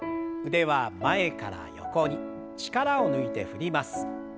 腕は前から横に力を抜いて振ります。